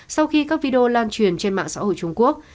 sau khi các video lan truyền trên mạng xã hội trung quốc